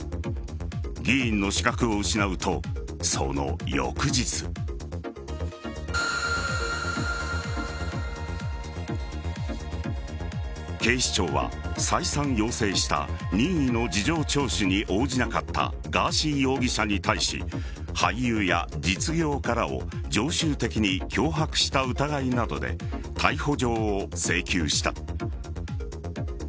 議員の資格を失うと、その翌日。警視庁は、再三要請した任意の事情聴取に応じなかったガーシー容疑者に対し俳優や実業家らを常習的に脅迫した疑いなどで逮捕状を請求した。